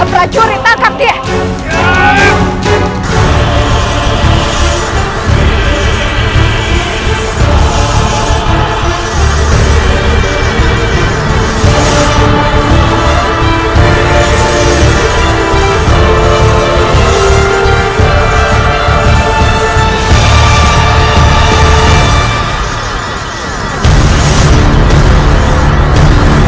kamrah juri tangkap dia